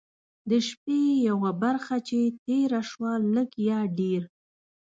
د شپې یوه برخه چې تېره شوه لږ یا ډېر.